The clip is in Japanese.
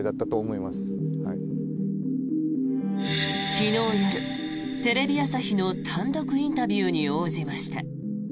昨日夜、テレビ朝日の単独インタビューに応じました。